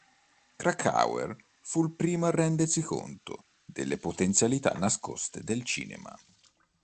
Krakauer fu il primo a rendersi conto delle potenzialità nascoste del cinema.